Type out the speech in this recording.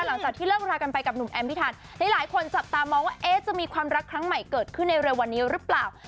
หลังจากที่เลิกรากันไปกับหนุ่มแอมพิทันหลายคนจับตามองว่าจะมีความรักครั้งใหม่เกิดขึ้นในเร็ววันนี้หรือเปล่า